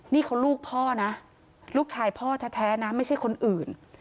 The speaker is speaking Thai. นี่เขาลูกพ่อนะลูกชายพ่อแท้นะไม่ใช่คนอื่น